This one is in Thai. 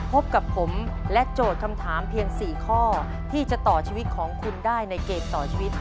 พบกับผมและโจทย์คำถามเพียง๔ข้อที่จะต่อชีวิตของคุณได้ในเกมต่อชีวิต